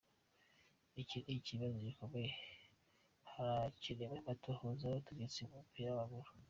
"Iki n'ikibazo gikomeye, harakenewe amatohoza y'abategetsi mu mupira w'amaguru.